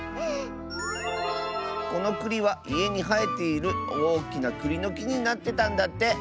このくりはいえにはえているおおきなくりのきになってたんだって。